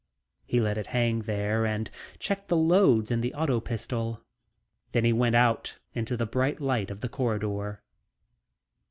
He let it hang there and checked the loads in the auto pistol. Then he went out into the bright light of the corridor.